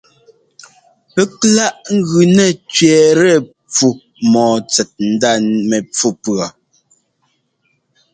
Pɛ́k láꞌ ŋ́gʉ nɛ́ tsẅɛ́ɛtɛ pfú mɔ́ɔ tsɛt ndá mɛpfú pʉɔ.